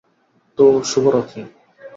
তো, শুভরাত্রি।